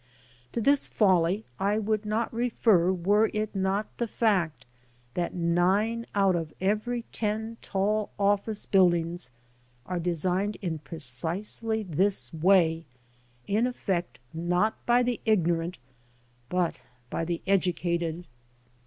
To this latter folly I would not refer were it not the fact that nine out of every ten tall office buildings are designed in precisely this way in effect, not by the ignorant, but by the educated.